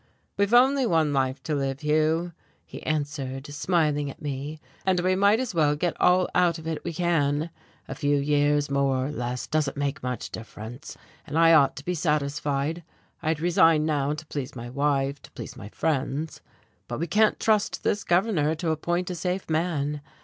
"We've only one life to live, Hugh," he answered, smiling at me, "and we might as well get all out of it we can. A few years more or less doesn't make much difference and I ought to be satisfied. I'd resign now, to please my wife, to please my friends, but we can't trust this governor to appoint a safe man.